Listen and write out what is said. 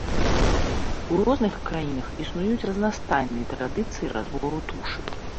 У розных краінах існуюць разнастайныя традыцыі разбору тушы.